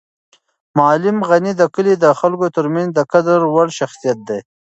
معلم غني د کلي د خلکو تر منځ د قدر وړ شخصیت دی.